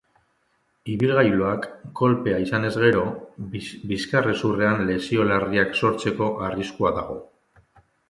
Ibilgailuak kolpea izanez gero, bizkarrezurrean lesio larriak sortzeko arriskua dago.